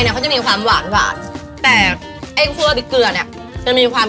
เขาจะมีความหวานหวานแต่ไอ้ครัวเกลือเนี้ยจะมีความ